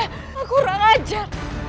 aku kurang ajar